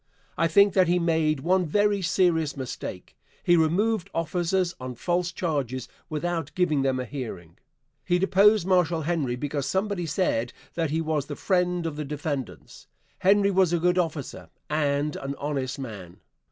I think that he made one very serious mistake. He removed officers on false charges without giving them a hearing. He deposed Marshal Henry because somebody said that he was the friend of the defendants. Henry was a good officer and an honest man.